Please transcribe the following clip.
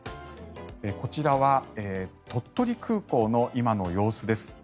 こちらは鳥取空港の今の様子です。